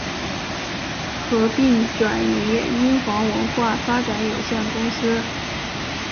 合并移转英皇文化发展有限公司。